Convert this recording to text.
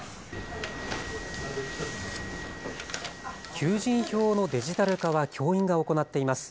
求人票のデジタル化は教員が行っています。